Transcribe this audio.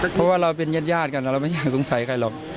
เพราะว่าเราเป็นญาติกันเราไม่อยากสงสัยใครหรอก